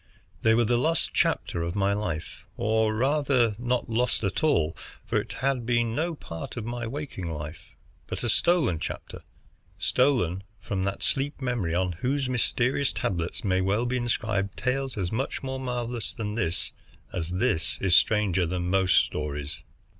They were the lost chapter of my life; or rather, not lost at all, for it had been no part of my waking life, but a stolen chapter, stolen from that sleep memory on whose mysterious tablets may well be inscribed tales as much more marvelous than this as this is stranger than most stories.